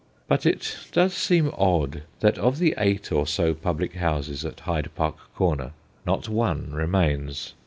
But it does seem odd that of the eight, or so, public houses at Hyde Park Corner, not one remains.